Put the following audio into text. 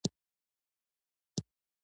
څوارلس ورځې وروسته په هرات کې وفات شو.